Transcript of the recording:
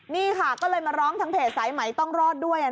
นี่ค่ะก็เลยมาร้องทางเพจสายไหมต้องรอดด้วย